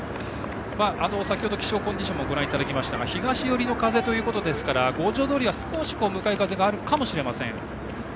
先程気象コンディションもご覧いただきましたが東寄りの風ということですから五条通は少し向かい風があるかもしれません。